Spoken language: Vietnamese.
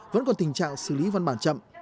vẫn còn tình trạng xử lý văn bản chậm